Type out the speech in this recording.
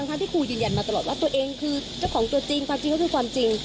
ที่ครูยืนยันมาตลอดว่าตัวเองคือเจ้าของตัวจริงความจริงก็คือความจริง